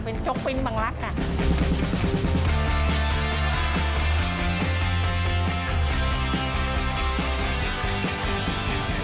เป็นโจ๊กปริ้นท์บังรักษณ์ค่ะ